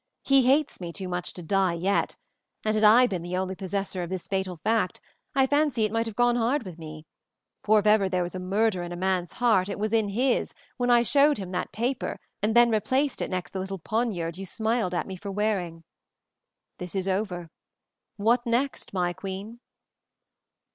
He hates me too much to die yet, and had I been the only possessor of this fatal fact, I fancy it might have gone hard with me; for if ever there was murder in a man's heart it was in his when I showed him that paper and then replaced it next the little poniard you smile at me for wearing. This is over. What next, my queen?"